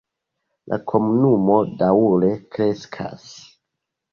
La komunumo daŭre kreskas.